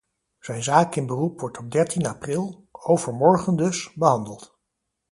Zijn zaak in beroep wordt op dertien april, overmorgen dus, behandeld.